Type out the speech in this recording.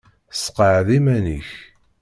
Sseqɛed iman-nnek.